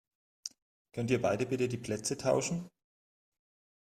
Könnt ihr beide bitte die Plätze tauschen?